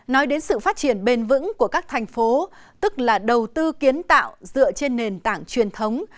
nói đến sự phát triển bền vững của các thành phố tức là đầu tư kiến tạo dựa trên nền tảng truyền thống